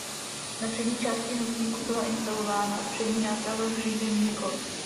Na přední části nosníku byla instalována přední náprava s řízenými koly.